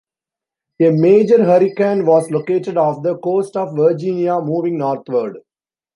A major hurricane was located off the coast of Virginia moving northward.